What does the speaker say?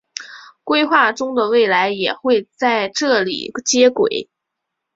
规划中的未来也会在这里接轨。